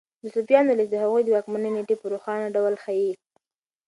د صفویانو لیست د هغوی د واکمنۍ نېټې په روښانه ډول ښيي.